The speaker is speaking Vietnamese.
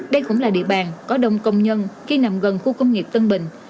đây cũng là địa bàn có đông công nhân khi nằm gần khu công nghiệp tân bình